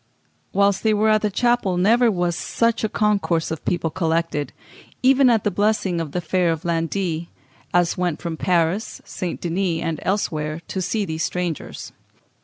Whilst they were at the chapel never was such a concourse of people collected, even at the blessing of the fair of Landit, as went from Paris, St. Denis, and elsewhere, to see these strangers.